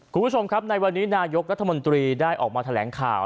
คุณผู้ชมครับในวันนี้นายกรัฐมนตรีได้ออกมาแถลงข่าว